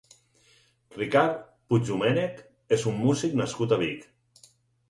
Ricard Puigdomènech és un músic nascut a Vic.